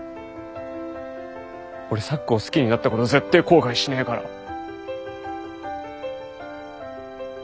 俺咲子を好きになったこと絶対後悔しねぇから！